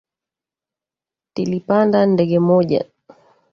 Tilipanda ndege moja